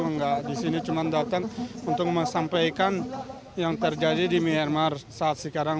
enggak di sini cuma datang untuk menyampaikan yang terjadi di myanmar saat sekarang